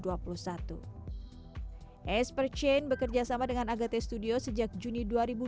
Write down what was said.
ace per chain bekerjasama dengan agate studio sejak juni dua ribu dua puluh dua